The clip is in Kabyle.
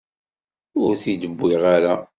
Ur t-id-wwiɣ ara.